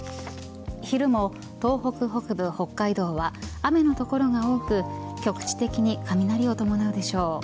昼も東北北部、北海道は雨の所が多く局地的に雷を伴うでしょう。